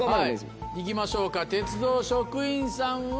行きましょうか鉄道職員さんは！